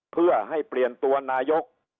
เพื่อให้เปลี่ยนตัวนายก